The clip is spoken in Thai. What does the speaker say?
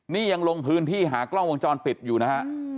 นี่ยังลงพื้นที่หากล้องวงจรปิดอยู่นะฮะ